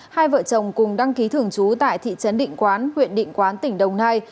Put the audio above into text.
hai vợ chồng cùng đăng ký thường trú tại thị trấn định quán huyện định quán tỉnh đồng nai